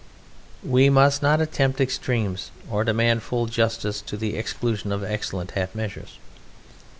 We must not attempt extremes or demand full justice to the exclusion of excellent half measures.